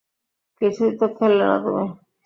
কিছুই তো খেলে না তুমি।